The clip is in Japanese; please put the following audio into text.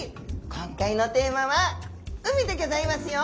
今回のテーマは「海」でぎょざいますよ。